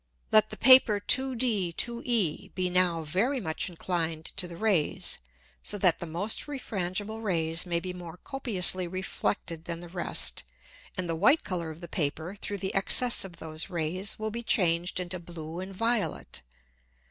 Let the Paper 2D 2E be now very much inclined to the Rays, so that the most refrangible Rays may be more copiously reflected than the rest, and the white Colour of the Paper through the Excess of those Rays will be changed into blue and violet.